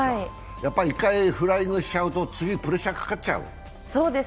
１回フライングしちゃうと、次プレッシャーかかっちゃう？